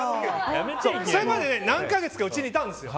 それまで何か月かうちにいたんですよ。